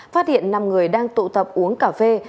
phát hiện năm người đang tụ tập uống cà phê